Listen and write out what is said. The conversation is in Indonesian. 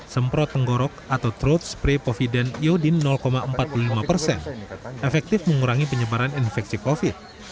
semprot tenggorok atau throat spray povidan iodine empat puluh lima persen efektif mengurangi penyebaran infeksi covid